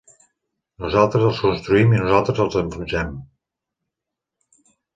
"Nosaltres els construïm i nosaltres els enfonsem".